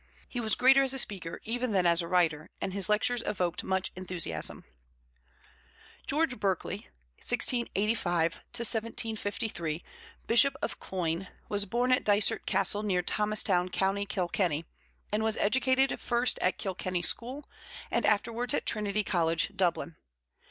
He was greater as a speaker even than as a writer, and his lectures evoked much enthusiasm. George Berkeley (1685 1753), bishop of Cloyne, was born at Dysert Castle, near Thomastown, Co. Kilkenny, and was educated first at Kilkenny school and afterwards at Trinity College, Dublin.